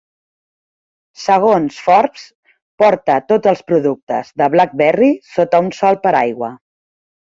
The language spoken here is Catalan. Segons Forbes, porta tots els productes de BlackBerry sota un sol paraigua.